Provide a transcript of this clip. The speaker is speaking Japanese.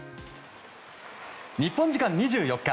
日本時間２４日